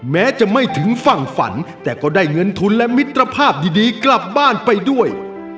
แม้จะไม่ถึงฝั่งฝันแต่ก็ได้เงินทุนและมิตรภาพดีกลับบ้านไปด้วย